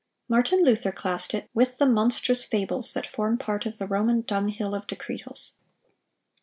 Martin Luther classed it with the "monstrous fables that form part of the Roman dunghill of decretals."